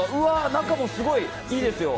中もすごくいいですよ！